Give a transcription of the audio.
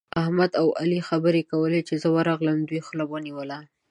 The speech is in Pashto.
احمد او علي خبرې کولې؛ چې زه ورغلم، دوی خوله ونيوله.